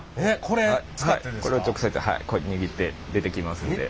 これを直接握って出てきますので。